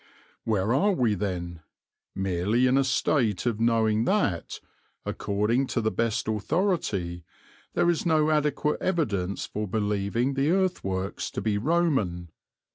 '" Where are we then? Merely in a state of knowing that, according to the best authority, there is no adequate evidence for believing the earthworks to be Roman.